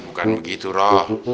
bukan begitu roh